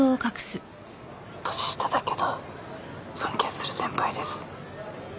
年下だけど尊敬する先輩です。